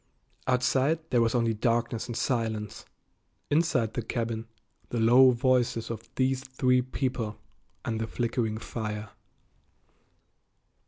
Outside there was only darkness and silence; inside the cabin, the low voices of these three people and the flickering fire.